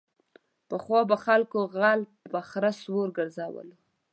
پخوا به خلکو غل په خره سور گرځولو.